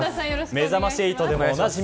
めざまし８でもおなじみ